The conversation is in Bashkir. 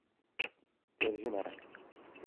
Тәржемә